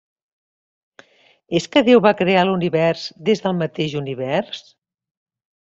És que Déu va crear l'univers des del mateix univers?